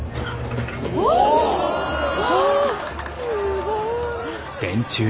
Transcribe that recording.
すごい。